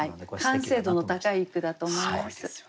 完成度の高い句だと思います。